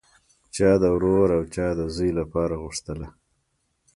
چا د ورور او چا د زوی لپاره غوښتله